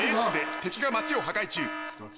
敵が街を破壊中。